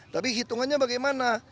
tapi hitungannya bagaimana